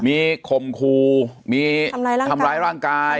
มีข่มครูมีทำร้ายร่างกาย